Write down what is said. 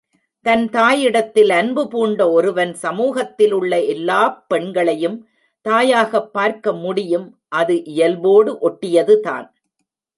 தன் தாயிடத்தில் அன்பு பூண்ட ஒருவன் சமூகத்திலுள்ள எல்லாப் பெண்களையும் தாயாகப் பார்க்க முடியும் அது இயல்போடு ஒட்டியதுதான்.